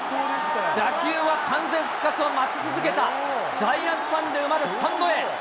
打球は完全復活を待ち続けた、ジャイアンツファンで埋まるスタンドへ。